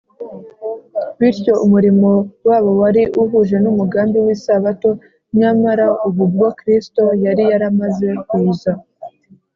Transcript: bityo umurimo wabo wari uhuje n’umugambi w’isabato nyamara ubu bwo kristo yari yaramaze kuza